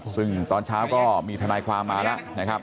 ซึ่งตอนเช้าก็มีทนายความมาแล้วนะครับ